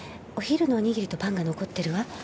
お昼のおにぎりとパンが残ってるわ。